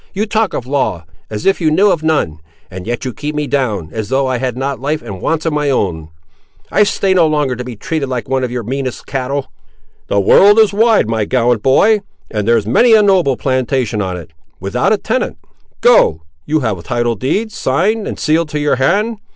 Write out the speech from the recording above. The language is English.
You talk of law, as if you knew of none, and yet you keep me down, as though I had not life and wants of my own. I'll stay no longer to be treated like one of your meanest cattle!" "The world is wide, my gallant boy, and there's many a noble plantation on it, without a tenant. Go; you have title deeds signed and sealed to your hand.